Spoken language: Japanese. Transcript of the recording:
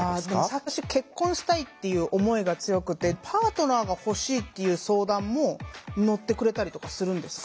私結婚したいっていう思いが強くてパートナーが欲しいっていう相談も乗ってくれたりとかするんですか？